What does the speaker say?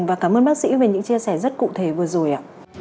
và cảm ơn bác sĩ về những chia sẻ rất cụ thể vừa rồi ạ